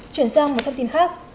chuyển sang một thông tin khác